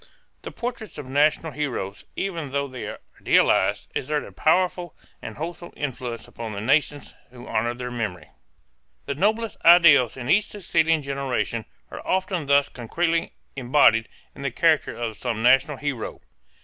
The portraits of national heroes, even though they are idealized, exert a powerful and wholesome influence upon the nations who honor their memory. The noblest ideals in each succeeding generation are often thus concretely embodied in the character of some national hero.